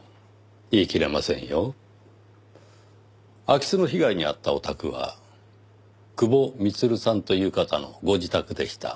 空き巣の被害に遭ったお宅は久保充さんという方のご自宅でした。